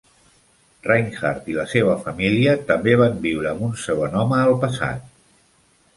Reinhardt i la seva família també van viure amb un segon home al passat.